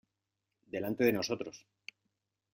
delante de nosotros .